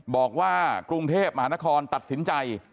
บอกว่ากรุงเทพมหานครตัดสินใจ